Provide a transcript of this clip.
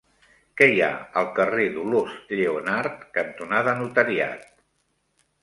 Què hi ha al carrer Dolors Lleonart cantonada Notariat?